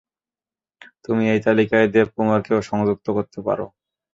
তুমি এই তালিকায় দেবকুমারকেও যুক্ত করতে পারো।